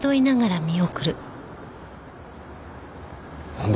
なんだ？